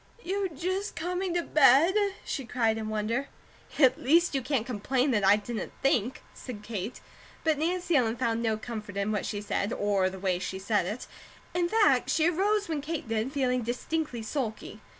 "You just coming to bed?" she cried in wonder. "At least you can't complain that I didn't think," said Kate, but Nancy Ellen found no comfort in what she said, or the way she said it. In fact, she arose when Kate did, feeling distinctly sulky.